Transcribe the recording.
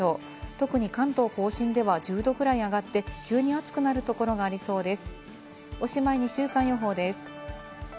特に関東甲信では１０度くらい上がって急に暑くなるところがありそうです。